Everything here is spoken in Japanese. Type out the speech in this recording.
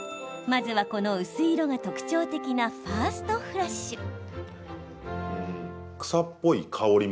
まずは、この薄い色が特徴的なファーストフラッシュ。